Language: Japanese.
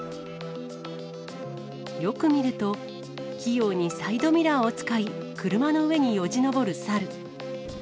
よく見ると、器用にサイドミラーを使い、車の上によじ登る猿。